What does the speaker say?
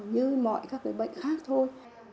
như mọi các cái bệnh khác thôi